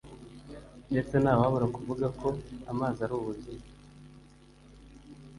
ndetse ntawabura kuvuga ko amazi ari ubuzima